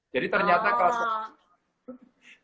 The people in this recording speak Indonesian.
jadi ternyata kawasan